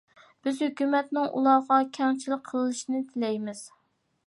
بىز ھۆكۈمەتنىڭ ئۇلارغا كەڭچىلىك قىلىشىنى تىلەيمىز.